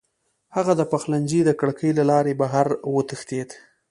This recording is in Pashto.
هغه د پخلنځي د کړکۍ له لارې بهر وتښتېد.